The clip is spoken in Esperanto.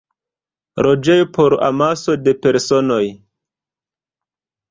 Loĝejo por amaso de personoj.